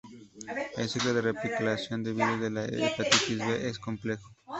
El ciclo de replicación del virus de la hepatitis B es complejo.